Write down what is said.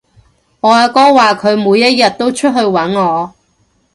我阿哥話佢每一日都出去搵我